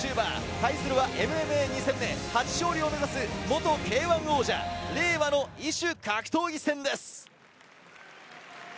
対するはＭＭＡ２戦目初勝利を目指す元Ｋ‐１王者令和の異種格闘技戦です。